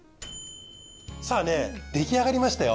さぁ出来上がりましたよ。